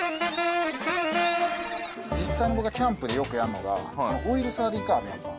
実際に僕がキャンプでよくやるのがオイルサーディン缶あるやんか。